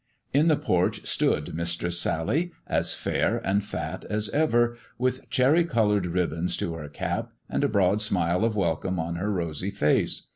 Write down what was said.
In the porch stood Mistress Sally, as fair and fat as ever, with cherry coloured ribbons to her cap and a broad smile of welcome on her rosy face.